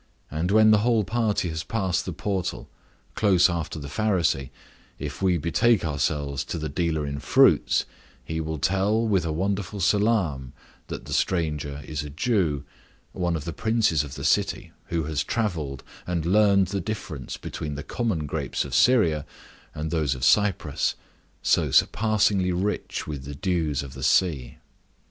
And when the whole party has passed the portal, close after the Pharisee, if we betake ourselves to the dealer in fruits, he will tell, with a wonderful salaam, that the stranger is a Jew, one of the princes of the city, who has travelled, and learned the difference between the common grapes of Syria and those of Cyprus, so surpassingly rich with the dews of the sea.